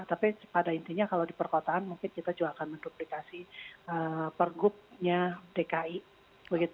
tapi pada intinya kalau di perkotaan mungkin kita juga akan menduplikasi pergubnya dki